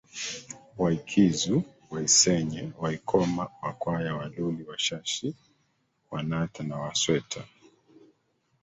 Waikizu Waisenye Waikoma Wakwaya Waluli Washashi Wanata na Wasweta